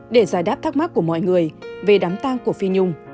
để giải đáp thắc mắc của mọi người về đám tang của phi nhung